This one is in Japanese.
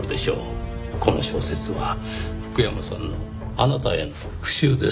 この小説は福山さんのあなたへの復讐です。